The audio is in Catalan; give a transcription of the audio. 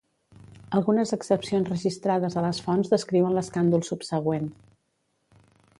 Algunes excepcions registrades a les fonts descriuen l'escàndol subsegüent.